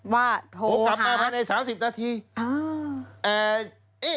โทรกลับมาภายใน๓๐นาที